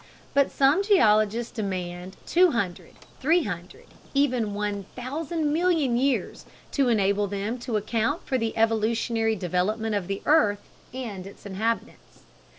But some geologists demand two hundred, three hundred, even one thousand million years to enable them to account for the evolutionary development of the earth and its inhabitants.